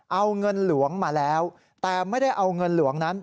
เอาเงินหลวงมาแล้วแต่ไม่ได้เอาเงินหลวงนั้น